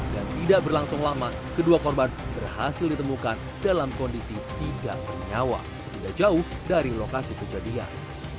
dan tidak berlangsung lama kedua korban berhasil ditemukan dalam kondisi tidak bernyawa tidak jauh dari lokasi kejadian